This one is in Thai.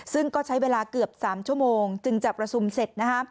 ซึ่งก็ใช้เวลาเกือบ๓ชั่วโมงจึงจะประชุมเสร็จ